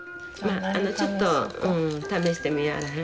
ちょっと試してみやへん？